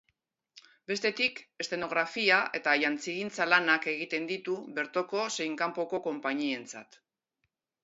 Bestetik, eszenografia eta jantzigintza lanak egiten ditu, bertoko zein kanpoko konpainientzat.